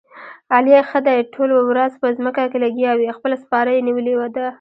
علي ښه دې ټوله ورځ په ځمکه کې لګیاوي، خپله سپاره یې نیولې ده.